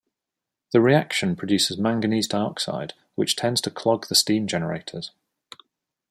The reaction produces manganese dioxide, which tends to clog the steam generators.